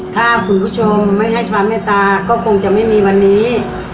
ถ้าคุณผู้ชมไม่ให้ความเมตตาก็คงจะไม่มีวันนี้